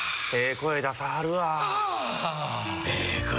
声出さはるわ